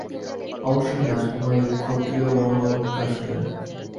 অবশ্য এই রাজকুমারী ক্ষত্রিয়বর্ণভুক্তা ছিলেন।